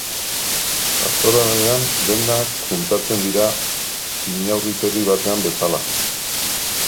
Pastoralean denak juntatzen dira xinaurritegi batean bezala.